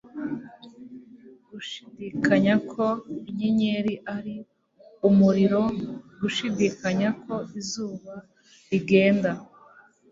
Gushidikanya ko inyenyeri ari umuriro; Gushidikanya ko izuba rigenda;